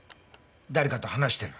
誰かと話してる。